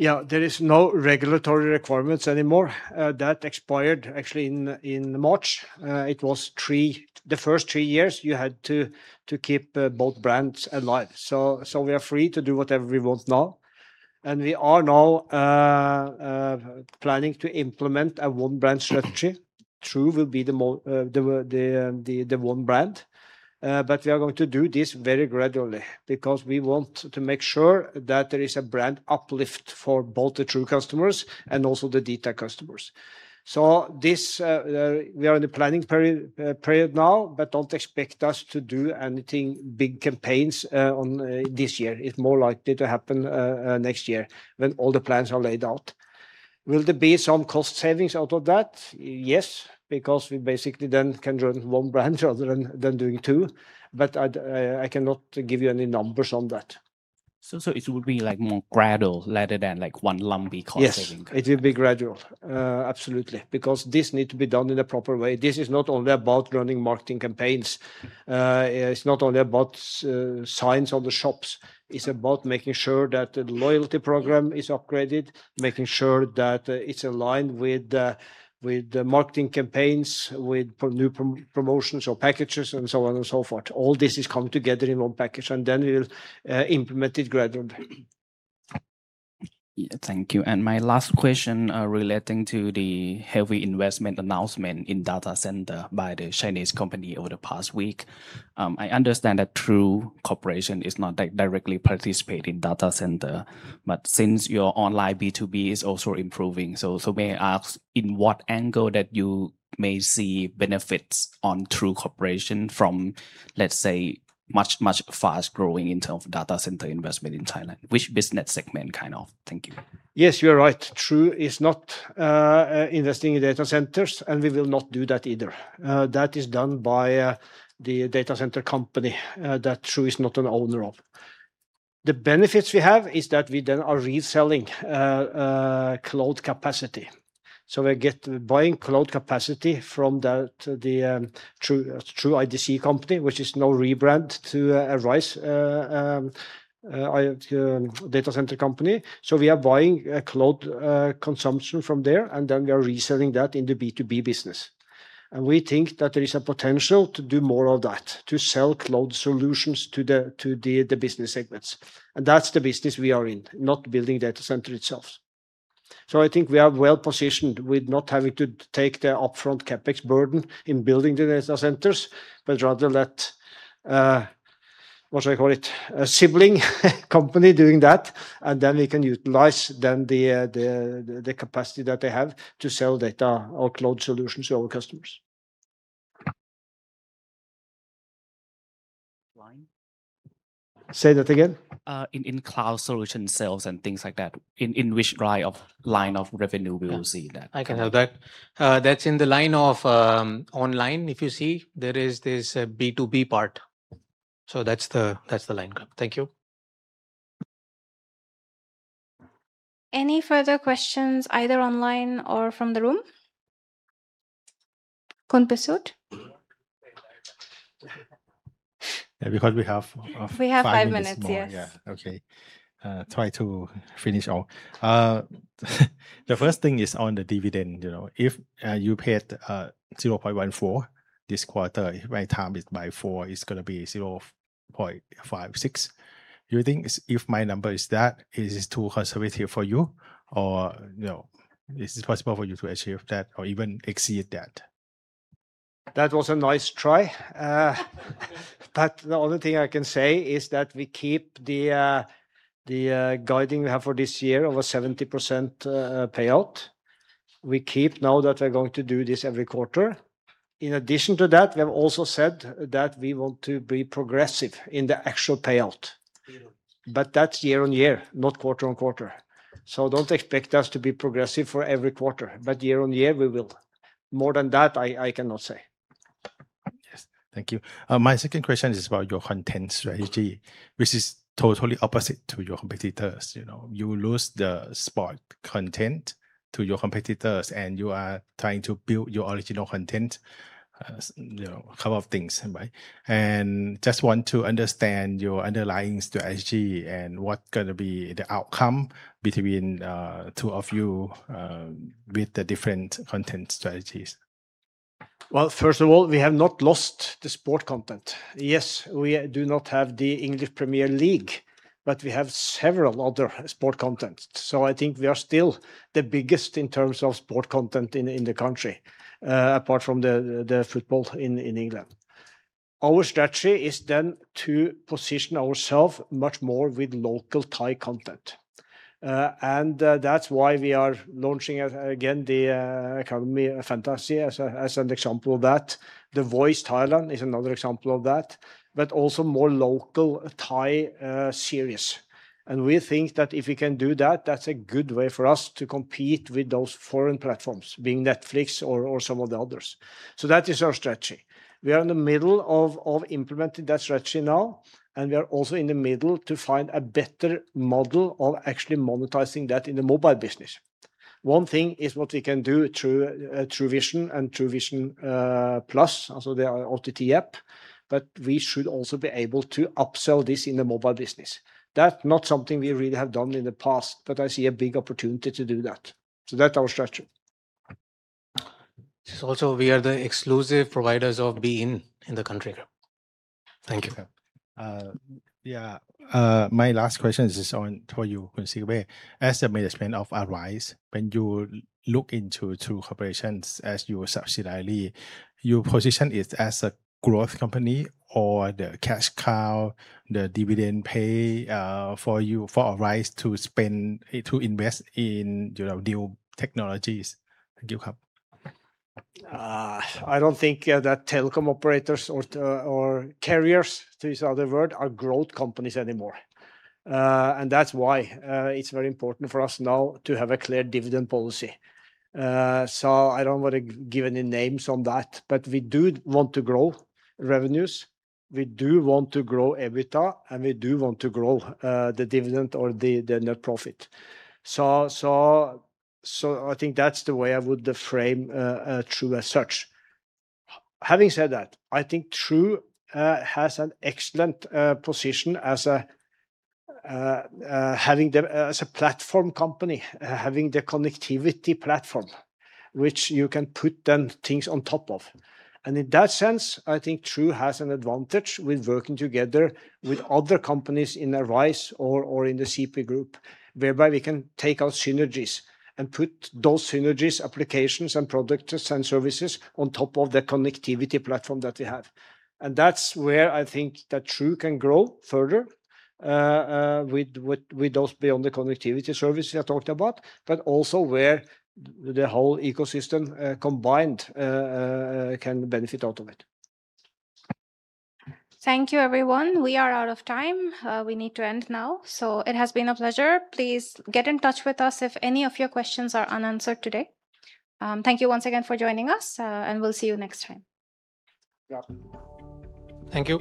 Yeah, there is no regulatory requirements anymore. That expired actually in March. It was the first three years you had to keep both brands alive. We are free to do whatever we want now. We are now planning to implement a one-brand strategy. True will be the one brand. But we are going to do this very gradually because we want to make sure that there is a brand uplift for both the True customers and also the dtac customers. This, we are in the planning period now, but don't expect us to do anything, big campaigns, this year. It's more likely to happen next year when all the plans are laid out. Will there be some cost savings out of that? Yes, because we basically then can run one brand rather than doing two. I cannot give you any numbers on that. It would be like more gradual rather than like one lumpy cost saving kind of. Yes, it will be gradual. Absolutely. Because this need to be done in a proper way. This is not only about running marketing campaigns. It's not only about signs on the shops. It's about making sure that the loyalty program is upgraded, making sure that it's aligned with the marketing campaigns, with new promotions or packages and so on and so forth. All this is coming together in one package, and then we'll implement it gradually. Yeah. Thank you. My last question, relating to the heavy investment announcement in data center by the Chinese company over the past week. I understand that True Corporation is not directly participate in data center, but since your online B2B is also improving, so may I ask in what angle that you may see benefits on True Corporation from, let's say, much, much fast growing in terms of data center investment in Thailand? Which business segment kind of? Thank you. Yes, you are right. True is not investing in data centers, and we will not do that either. That is done by the data center company that True is not an owner of. The benefits we have is that we then are reselling cloud capacity. So we get buying cloud capacity from the True IDC company, which is now rebrand to Arise data center company. So we are buying cloud consumption from there, and then we are reselling that in the B2B business. We think that there is a potential to do more of that, to sell cloud solutions to the business segments. That's the business we are in, not building data center itself. I think we are well-positioned with not having to take the upfront CapEx burden in building the data centers, but rather let, what should I call it, a sibling company doing that, and then we can utilize then the capacity that they have to sell data or cloud solutions to our customers. Line? Say that again. In cloud solution sales and things like that, in which line of revenue we will see that? Yeah. I can help that. That's in the line of online. If you see, there is this B2B part. That's the line. Okay. Thank you. Any further questions, either online or from the room, Khun Pisut? Yeah, because we have. We have five minutes, yes. Five minutes more. Yeah, okay. Try to finish all. The first thing is on the dividend, you know. If you paid 0.14 this quarter, if I time it by four, it's gonna be 0.56. You think if my number is that, it is too conservative for you? No, is it possible for you to achieve that or even exceed that? That was a nice try. The only thing I can say is that we keep the guiding we have for this year of a 70% payout. We keep now that we're going to do this every quarter. In addition to that, we have also said that we want to be progressive in the actual payout. That's year-over-year, not quarter-over-quarter. Don't expect us to be progressive for every quarter, but year-over-year we will. More than that, I cannot say. Yes. Thank you. My second question is about your content strategy, which is totally opposite to your competitors, you know. You lose the sport content to your competitors, and you are trying to build your original content, you know, couple of things, right. Just want to understand your underlying strategy and what gonna be the outcome between two of you with the different content strategies. First of all, we have not lost the sport content. Yes, we do not have the English Premier League, but we have several other sport content. I think we are still the biggest in terms of sport content in the country, apart from the football in England. Our strategy is to position ourself much more with local Thai content. And that's why we are launching again the Academy Fantasia as an example of that. The Voice Thailand is another example of that. Also more local Thai series. We think that if we can do that's a good way for us to compete with those foreign platforms, being Netflix or some of the others. That is our strategy. We are in the middle of implementing that strategy now. We are also in the middle to find a better model of actually monetizing that in the mobile business. One thing is what we can do through TrueVisions and TrueVisions Plus, also the OTT app. We should also be able to upsell this in the mobile business. That's not something we really have done in the past. I see a big opportunity to do that. That's our strategy. Also, we are the exclusive providers of beIN in the country. Thank you. Yeah. Yeah. My last question is on for you, Khun Sigve. As the management of Arise, when you look into True Corporation as your subsidiary, you position it as a growth company or the cash cow, the dividend pay, for you, for Arise to spend, to invest in, you know, new technologies? Thank you. I don't think that telecom operators or carriers, to use other word, are growth companies anymore. That's why it's very important for us now to have a clear dividend policy. I don't wanna give any names on that, but we do want to grow revenues, we do want to grow EBITDA, and we do want to grow the dividend or the net profit. I think that's the way I would frame True as such. Having said that, I think True has an excellent position as a having the as a platform company, having the connectivity platform, which you can put then things on top of. In that sense, I think True has an advantage with working together with other companies in Arise or in the CP Group, whereby we can take our synergies and put those synergies, applications, and products and services on top of the connectivity platform that we have. That's where I think that True can grow further with what we don't see on the connectivity services I talked about, but also where the whole ecosystem combined can benefit out of it. Thank you, everyone. We are out of time. We need to end now. It has been a pleasure. Please get in touch with us if any of your questions are unanswered today. Thank you once again for joining us, and we'll see you next time. Yeah. Thank you.